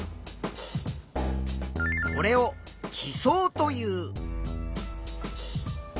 これを「地層」という。